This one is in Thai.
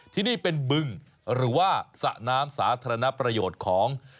ที่นี่เป็นบึงหรือว่าสระน้ำสาธารณประโยชน์ของ